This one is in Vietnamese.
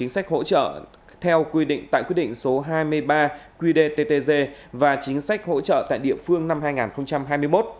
chính sách hỗ trợ theo quy định tại quyết định số hai mươi ba qdttg và chính sách hỗ trợ tại địa phương năm hai nghìn hai mươi một